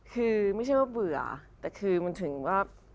คือไม่ใช่ว่าเบื่อแต่คือมันถึงว่า